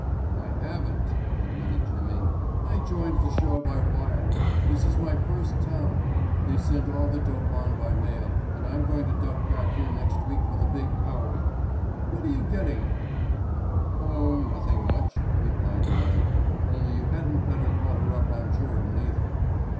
"I haven't," admitted Jimmy. "I joined the show by wire. This is my first town. They sent all the dope on by mail and I'm going to duck back here next week for the big pow wow. What are you getting at?" "Oh, nothing much," replied the other, "only you hadn't better call her up or Jordan either.